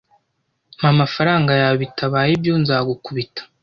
Mpa amafaranga yawe bitabaye ibyo nzagukubita.